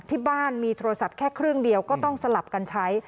ที่บ้านมีโทรศัพท์แค่เครื่องเดียวก็ต้องสลับกันใช้